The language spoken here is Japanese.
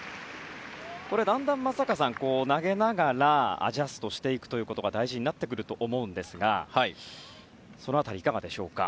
だんだん、投げながらアジャストしていくということが大事になってくると思うんですがその辺りはいかがでしょうか？